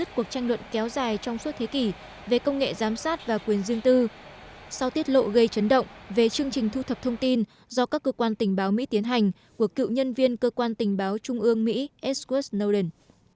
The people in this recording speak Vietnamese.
hạ viện mỹ vừa gia hạn thêm sáu năm đạo luật kéo dài trong suốt thế kỷ về công nghệ giám sát và quyền dương tư sau tiết lộ gây chấn động về chương trình thu thập thông tin do các cơ quan tình báo mỹ tiến hành của cựu nhân viên cơ quan tình báo trung ương mỹ edward snowden